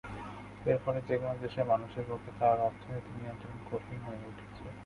এর ফলে যেকোনো দেশের মানুষের পক্ষে তার অর্থনীতি নিয়ন্ত্রণ কঠিন হয়ে উঠেছে।